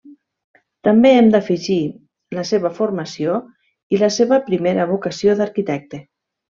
També hem d'afegir la seva formació i la seva primera vocació d'arquitecte.